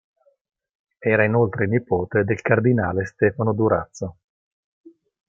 Era inoltre nipote del cardinale Stefano Durazzo.